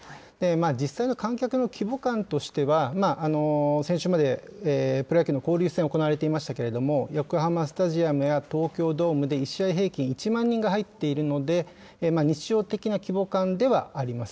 実際の観客の規模感としては、先週までプロ野球の交流戦行われていましたけれども、横浜スタジアムや東京ドームで１試合平均１万人が入っているので、日常的な規模感ではあります。